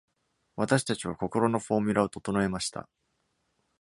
私たちは心のフォーミュラを整えました。